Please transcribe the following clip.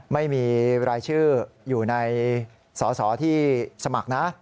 ไม่มีรายชื่ออยู่ในสอสอที่สมัครนะ